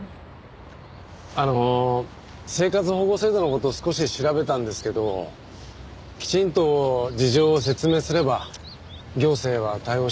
あの生活保護制度の事少し調べたんですけどきちんと事情を説明すれば行政は対応してくれるそうです。